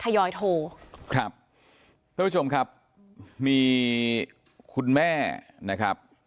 ทยอยโทรครับท่านผู้ชมครับมีคุณแม่นะครับ